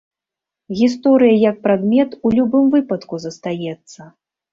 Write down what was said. Гісторыя як прадмет у любым выпадку застаецца.